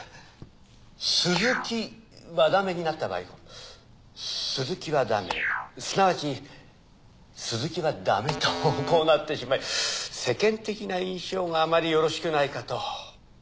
鈴木和田目になった場合鈴木和田目すなわち鈴木はダメとこうなってしまい世間的な印象があまりよろしくないかと。